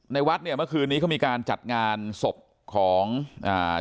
วัดเนี่ยเมื่อคืนนี้เขามีการจัดงานศพของอ่า